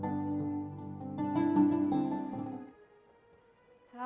baiklah saya kempang dulu ya bu